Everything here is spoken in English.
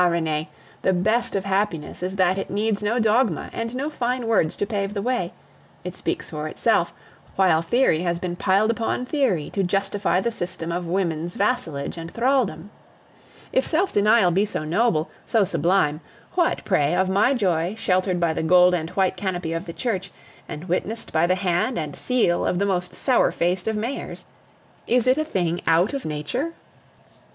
Renee, the best of happiness is that it needs no dogma and no fine words to pave the way; it speaks for itself, while theory has been piled upon theory to justify the system of women's vassalage and thralldom. If self denial be so noble, so sublime, what, pray, of my joy, sheltered by the gold and white canopy of the church, and witnessed by the hand and seal of the most sour faced of mayors? Is it a thing out of nature?